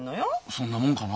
そんなもんかな。